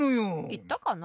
いったかな？